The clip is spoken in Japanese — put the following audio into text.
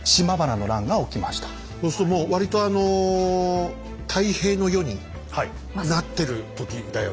そうするともう割とあの太平の世になってる時だよね。